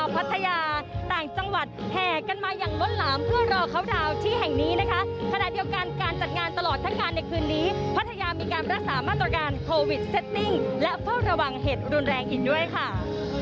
พัทยามีการรักษามาตรการโควิดเซตติ้งและเพราะระวังเหตุรุนแรงอีกด้วยค่ะ